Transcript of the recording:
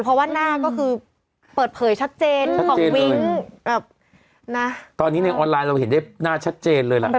เพราะว่าหน้าก็คือเปิดเผยชัดเจนของวิ้งตอนนี้ในออนไลน์เราเห็นได้หน้าชัดเจนเลยล่ะ